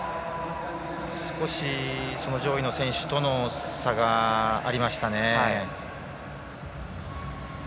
少し上位の選手との差がありましたね。